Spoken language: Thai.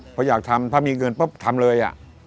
เพราะอยากทำถ้ามีเงินปุ๊บทำเลย